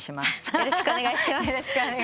よろしくお願いします。